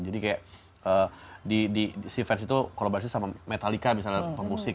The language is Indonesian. jadi kayak si vans itu kolaborasi sama metallica misalnya pemusik